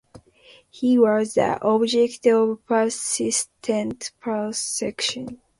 He was the object of persistent persecution.